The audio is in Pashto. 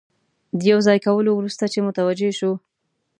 د یو ځای کولو وروسته چې متوجه شو.